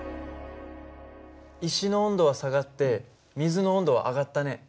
石の温度は下がって水の温度は上がったね。